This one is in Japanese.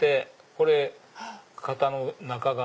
これ型の中側